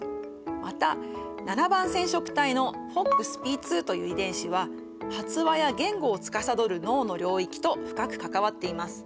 また７番染色体のＦＯＸＰ２という遺伝子は発話や言語をつかさどる脳の領域と深く関わっています。